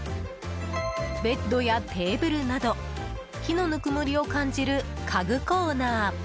ベッドやテーブルなどの木のぬくもりを感じる家具コーナー。